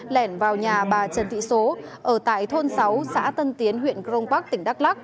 lẻn vào nhà bà trần thị số ở tại thôn sáu xã tân tiến huyện crong park tỉnh đắk lắc